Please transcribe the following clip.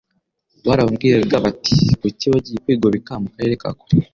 Baramubwiraga bati : Kuki wagiye kwigobeka mu karere ka kure,